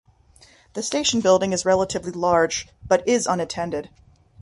The station building is relatively large, but is unattended.